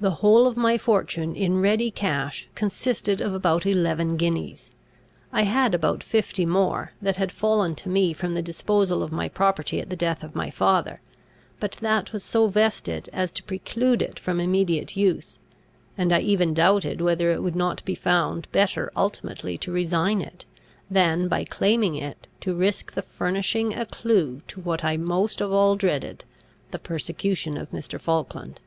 The whole of my fortune in ready cash consisted of about eleven guineas. I had about fifty more, that had fallen to me from the disposal of my property at the death of my father; but that was so vested as to preclude it from immediate use, and I even doubted whether it would not be found better ultimately to resign it, than, by claiming it, to risk the furnishing a clew to what I most of all dreaded, the persecution of Mr. Falkland.